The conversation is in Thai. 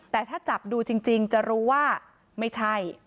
แต่ถ้าจับดูจริงจะรู้ว่าไม่ใช่